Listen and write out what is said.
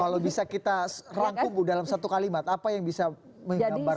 kalau bisa kita rangkum bu dalam satu kalimat apa yang bisa menggambarkan